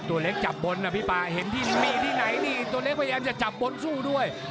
ตัวเล็กจับบนนะพี่ป่าเห็นที่มีที่ไหนนี่ตัวเล็กพยายามจะจับบนสู้ด้วย